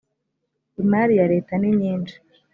imari ya leta ninyinshi